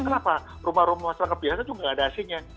kenapa rumah rumah masyarakat biasa juga tidak ada ac nya